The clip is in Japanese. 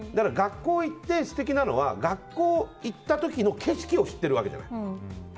学校行って素敵なのは学校行った時の景色を知ってるわけじゃない。